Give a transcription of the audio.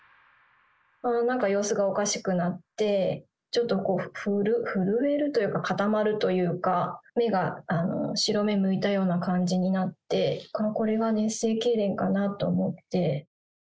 なんか様子がおかしくなって、ちょっと震えるというか、固まるというか、目が、白目むいたような感じになって、これは熱性けいれんかなと思って。